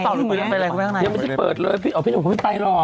พี่หนุ่มไม่ได้ไปเลยคุณแม่งไม่ได้เปิดเลยพี่หนุ่มไม่ได้ไปหรอก